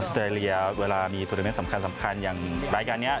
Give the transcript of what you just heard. ออสเตรเลียเวลามีธุรกิจสำคัญอย่างรายการนี้